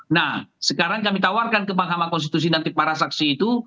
nah sekarang kami tawarkan ke mahkamah konstitusi nanti para saksi itu